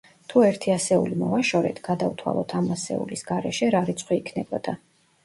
თუ ერთი ასეული მოვაშორეთ, გადავთვალოთ ამ ასეულის გარეშე რა რიცხვი იქნებოდა.